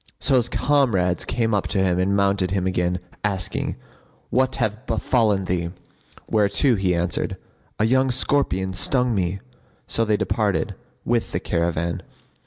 So his comrades came up to him and mounted him again, asking, "What hath befallen thee?" whereto he answered, "A young scorpion[FN#51] stung me." So they departed, with the caravan.